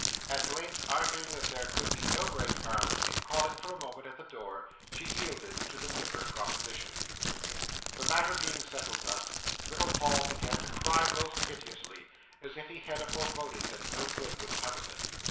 At length, arguing that there could be no great harm in calling for a moment at the door, she yielded to the Nipper proposition. The matter being settled thus, little Paul began to cry most piteously, as if he had a foreboding that no good would come of it.